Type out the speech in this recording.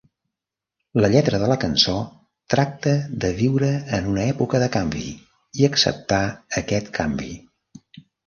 La lletra de la cançó tracta de viure en una època de canvi i acceptar aquest canvi.